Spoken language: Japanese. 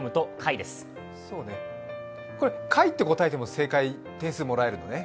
これ、貝って答えても点数もらえるのね？